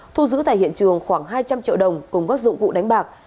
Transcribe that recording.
thu giữ tại hiện trường khoảng hai trăm linh triệu đồng cùng các dụng cụ đánh bạc